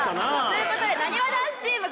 という事でなにわ男子チーム